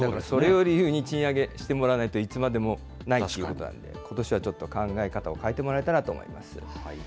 それを理由に賃上げしてもらわないといつまでもないということで、ことしはちょっと考え方を変えてもらえたらと思います。